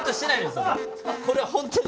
これは本当に。